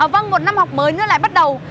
vâng một năm học mới nó lại bắt đầu